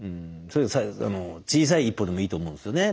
小さい一歩でもいいと思うんですよね。